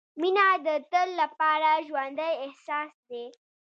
• مینه د تل لپاره ژوندی احساس دی.